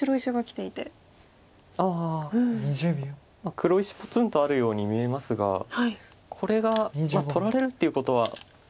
黒石ぽつんとあるように見えますがこれが取られるっていうことは。